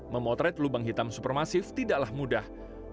memotret lubang hitam supermasif tidaklah mudah